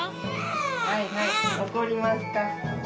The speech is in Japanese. はいはい怒りますか。